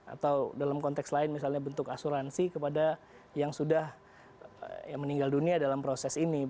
atau dalam konteks lain misalnya bentuk asuransi kepada yang sudah meninggal dunia dalam proses ini